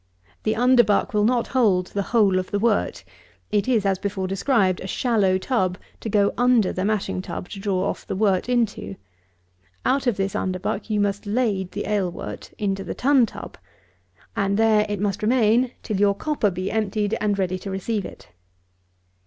The underbuck will not hold the whole of the wort. It is, as before described, a shallow tub, to go under the mashing tub to draw off the wort into. Out of this underbuck you must lade the ale wort into the tun tub; and there it must remain till your copper be emptied and ready to receive it.